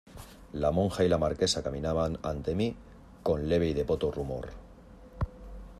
la monja y la Marquesa caminaban ante mí con leve y devoto rumor.